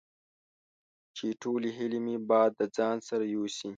چې ټولې هیلې مې باد د ځان سره یوسي